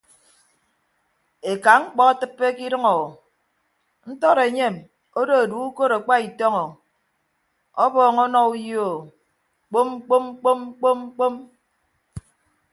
Eka mkpọ atịppe ke idʌñ o ntọd enyem odo edue ukod akpa itọñ o ọbọọñ ọnọ uyo o kpom kpom kpom kpom kpom.